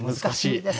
難しい！